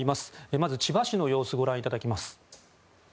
まず、千葉市の様子ご覧いただきます。